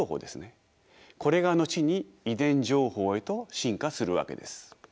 これが後に遺伝情報へと進化するわけです。